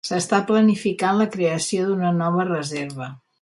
S'està planificant la creació d'una nova reserva.